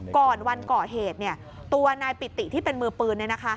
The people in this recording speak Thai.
ก่อนวันก่อเหตุตัวนายปิติที่เป็นมือปืน